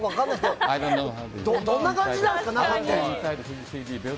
どんな感じなんですか。